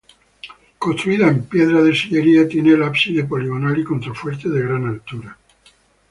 Construida en piedra de sillería, tiene el ábside poligonal y contrafuertes de gran altura.